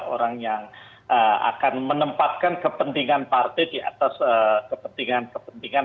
orang yang akan menempatkan kepentingan partai di atas kepentingan kepentingan